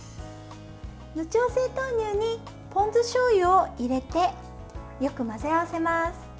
無調整豆乳にポン酢しょうゆを入れてよく混ぜ合わせます。